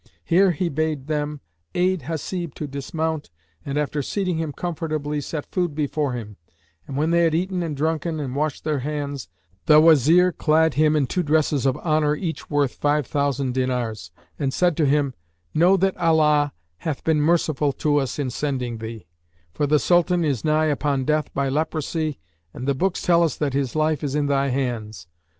Here he bade them aid Hasib to dismount and, after seating him comfortably, set food before him; and when they had eaten and drunken and washed their hands, the Wazir clad him in two dresses of honour each worth five thousand diners and said to him, "Know that Allah hath been merciful to us in sending thee; for the Sultan is nigh upon death by leprosy, and the books tell us that his life is in thy hands.